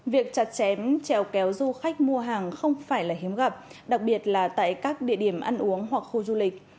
việc chặt chém trèo kéo du khách mua hàng không phải là hiếm gặp đặc biệt là tại các địa điểm ăn uống hoặc khu du lịch